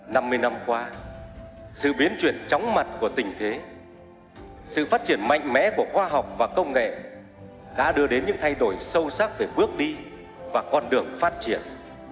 năm mươi năm qua sự biến chuyển chóng mặt của tình thế sự phát triển mạnh mẽ của khoa học và công nghệ đã đưa đến những thay đổi sâu sắc về bước đi và con đường phát triển